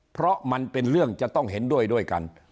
เพราะมันเป็นเรื่องจะต้องเห็นด้วยด้วยกัน